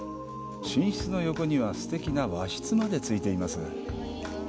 寝室の横にはすてきな和室までついています。